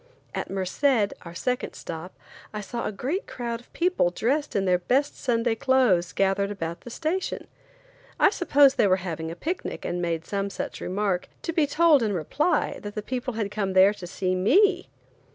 At Merced, our second stop, I saw a great crowd of people dressed in their best Sunday clothes gathered about the station. I supposed they were having a picnic and made some such remark, to be told in reply that the people had come there to see me.